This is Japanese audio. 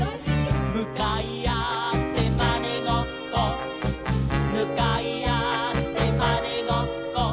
「むかいあってまねごっこ」「むかいあってまねごっこ」